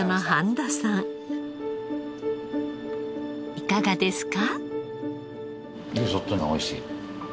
いかがですか？